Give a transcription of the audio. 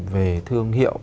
về thương hiệu